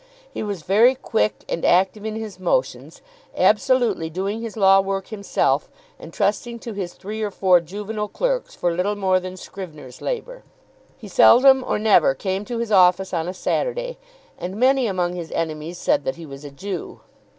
He was very quick, and active in his motions, absolutely doing his law work himself, and trusting to his three or four juvenile clerks for little more than scrivener's labour. He seldom or never came to his office on a Saturday, and many among his enemies said that he was a Jew.